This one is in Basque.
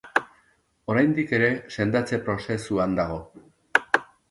Oraindik ere sendatze prosezuan dago.